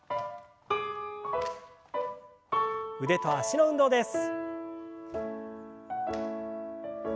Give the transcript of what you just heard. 腕と脚の運動です。